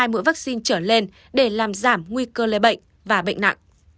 hai mũi vaccine trở lên để làm giảm nguy cơ lây bệnh và bệnh nặng